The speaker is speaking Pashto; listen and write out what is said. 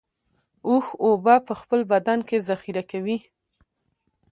اوښ اوبه په خپل بدن کې ذخیره کوي